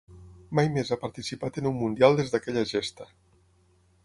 Mai més ha participat en un Mundial des d'aquella gesta.